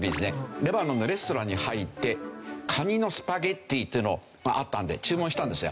レバノンのレストランに入ってカニのスパゲティというのがあったので注文したんですよ。